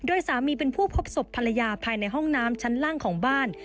โดยสามีเป็นผู้พบศพภรรยาภายในห้องน้ำชั้นล่างของบ้าน